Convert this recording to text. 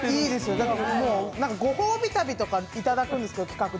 だから、もうご褒美旅とかいただくんですよ、企画で。